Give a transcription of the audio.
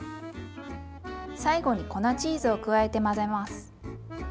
最後に粉チーズを加えて混ぜます。